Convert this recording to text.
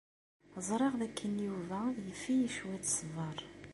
Ẓriɣ dakken Yuba yif-iyi cwiṭ ṣṣber.